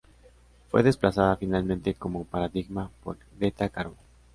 Fue desplazada finalmente como paradigma por Greta Garbo≫.